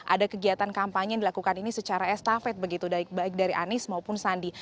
ada kegiatan kampanye yang dilakukan ini secara estafet begitu baik dari anies maupun sandi